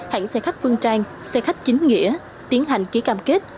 hãng xe khách phương trang xe khách chính nghĩa tiến hành ký cam kết